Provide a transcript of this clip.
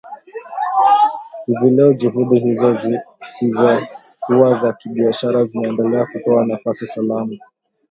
Hivi leo juhudi hizo zisizokuwa za kibiashara zinaendelea kutoa nafasi salama